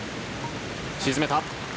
沈めた。